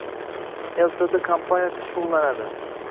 Ltd kompaniyasi shug‘ullanadi